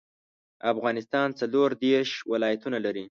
افغانستان څلوردیرش ولایاتونه لري